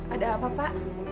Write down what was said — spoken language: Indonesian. ada apa pak